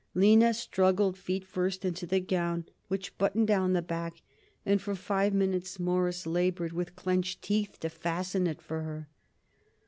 Lina struggled feet first into the gown, which buttoned down the back, and for five minutes Morris labored with clenched teeth to fasten it for her.